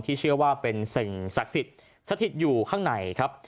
ที่เชื่อว่าเป็นสิ่งศักดิ์สถิตย์อยู่ข้างในครับ